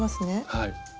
はい。